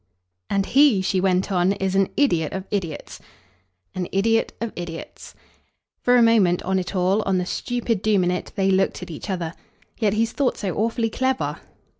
"And HE," she went on, "is an idiot of idiots." "An idiot of idiots." For a moment, on it all, on the stupid doom in it, they looked at each other. "Yet he's thought so awfully clever."